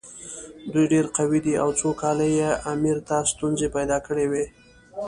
دوی ډېر قوي دي او څو کاله یې امیر ته ستونزې پیدا کړې وې.